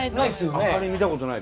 あまり見たことがない。